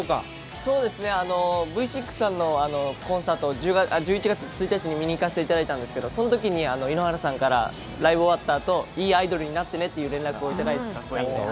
Ｖ６さんのコンサートを１１月１日に見に行かせていただいたんですけど、そのときに井ノ原さんからライブ終わったあと、いいアイドルになってねという連絡をいただいて。